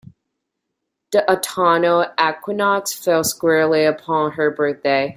The autumnal equinox fell squarely upon her birthday.